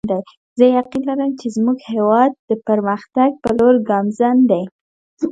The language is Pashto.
زه یقین لرم چې زموږ هیواد د پرمختګ په لور ګامزن دی